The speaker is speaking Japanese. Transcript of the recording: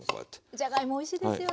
じゃがいもおいしいですよね